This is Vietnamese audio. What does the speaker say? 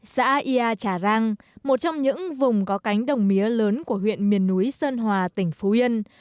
xã ia trà rang một trong những vùng có cánh đồng mía lớn của huyện miền núi sơn hòa tỉnh phú yên